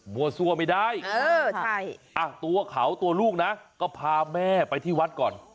มั่วซั่วไม่ได้ตัวเขาตัวลูกนะก็พาแม่ไปที่วัดก่อน